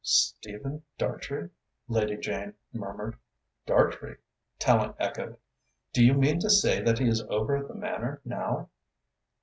"Stephen Dartrey?" Lady Jane murmured. "Dartrey?" Tallente echoed. "Do you mean to say that he is over at the Manor now?"